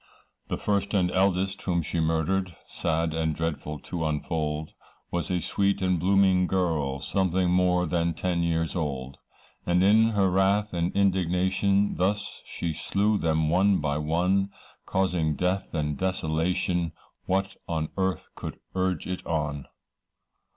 The first and eldest whom she murdered, Sad and dreadful to unfold, Was a sweet and blooming girl, Something more than ten years old, And in her wrath and indignation, Thus she slew them one by one. Causing death and desolation, What on earth could urge it on?